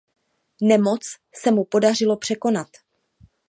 Nemoc se mu podařilo překonat.